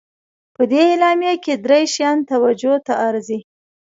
په دې اعلامیه کې درې شیان توجه ته ارزي.